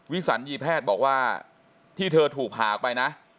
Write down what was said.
สัญญีแพทย์บอกว่าที่เธอถูกผ่าออกไปนะ